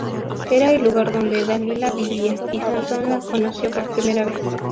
Era el lugar donde Dalila vivía, y Sansón la conoció por primera vez.